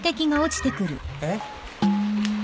えっ？